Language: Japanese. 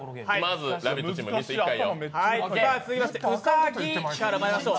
続きまして、うさぎからまいりましょう。